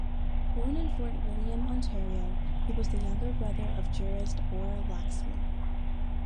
Born in Fort William, Ontario, he was the younger brother of jurist Bora Laskin.